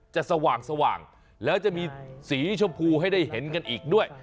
สว่างแล้วจะมีสีชมพูให้ได้เห็นกันอีกด้วย